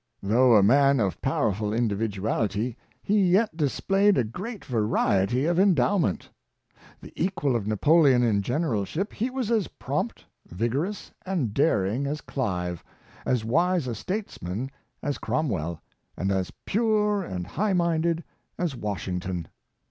Though a man of pow erful individuality, he yet displayed a great variety of endowment. The equal of Nc )^'^^on in generalship, Promptitude and Decision, 279 he was as prompt, vigorous, and daring as Clive ; as wise a statesman as Cromwell; and as pure and high minded as Washington.